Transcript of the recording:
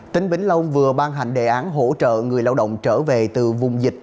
tính bình long vừa ban hành đề án hỗ trợ người lao động trở về từ vùng dịch